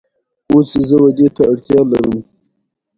سیندونه د افغانستان یوه طبیعي ځانګړتیا ده.